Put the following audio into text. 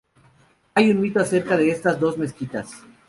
Hay un mito acerca de estas dos mezquitas.